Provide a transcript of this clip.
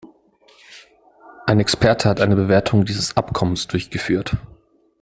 Ein Experte hat eine Bewertung dieses Abkommens durchgeführt.